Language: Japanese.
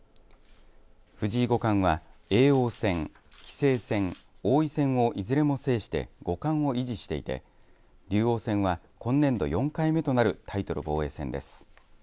藤井五冠は、叡王戦棋聖戦、王位戦をいずれも制して五冠を維持していて竜王戦は今年度４回目となるタイトル防衛戦です。